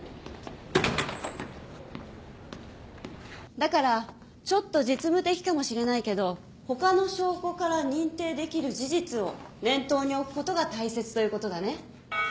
だからちょっと実務的かもしれないけど他の証拠から認定できる事実を念頭に置くことが大切ということだね。